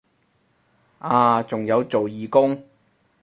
啊仲有做義工